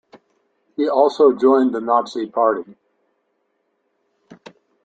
He also joined the Nazi Party.